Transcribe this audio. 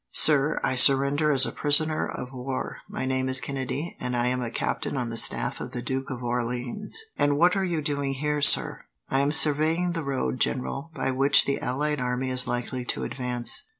"Sir, I surrender as a prisoner of war. My name is Kennedy, and I am a captain on the staff of the Duke of Orleans." "And what are you doing here, sir?" "I am surveying the road, General, by which the allied army is likely to advance.